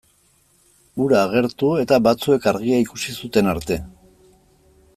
Hura agertu eta batzuek argia ikusi zuten arte.